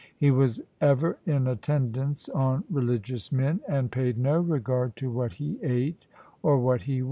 He was ever in attendance on religious men, and paid no regard to what he ate or what he wore.